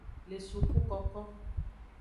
Le sukukoko.